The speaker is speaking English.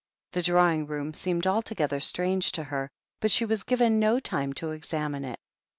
The drawing room seemed altogether strange to her, but she was given no time to examine it.